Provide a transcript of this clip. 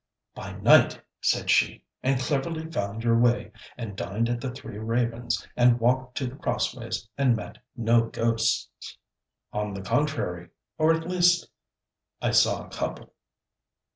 'By night,' said she, 'and cleverly found your way, and dined at The Three Ravens, and walked to The Crossways, and met no ghosts.' 'On the contrary or at least I saw a couple.'